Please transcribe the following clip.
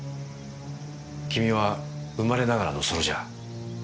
君は生まれながらのソルジャー。